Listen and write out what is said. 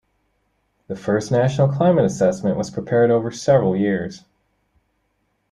The first National Climate Assessment was prepared over several years.